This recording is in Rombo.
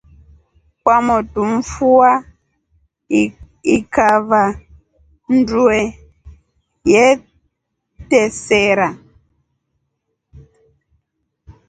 Kwamotu mfua ikakava ndwehe yeteresa.